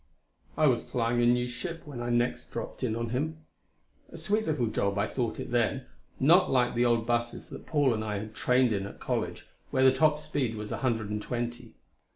I was flying a new ship when next I dropped in on him. A sweet little job I thought it then, not like the old busses that Paul and I had trained in at college, where the top speed was a hundred and twenty.